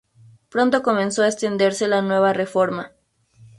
Pronto comenzó a extenderse la nueva reforma.